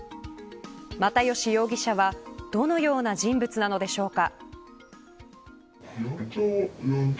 又吉容疑者はどのような人物なのでしょうか。